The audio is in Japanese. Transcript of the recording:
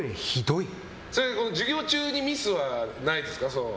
授業中にミスはないですか？